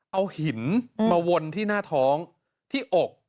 เอาหินมาวนที่หน้าท้องที่อก